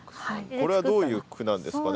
これはどういう句なんですかね？